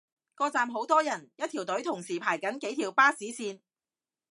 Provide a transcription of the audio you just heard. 個站好多人，一條隊同時排緊幾條巴士線